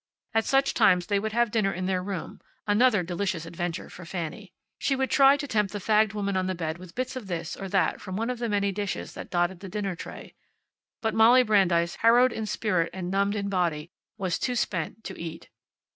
At such times they would have dinner in their room another delicious adventure for Fanny. She would try to tempt the fagged woman on the bed with bits of this or that from one of the many dishes that dotted the dinner tray. But Molly Brandeis, harrowed in spirit and numbed in body, was too spent to eat.